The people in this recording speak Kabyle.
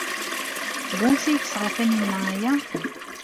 Seg wansi ay d-tesɣa Taninna aya?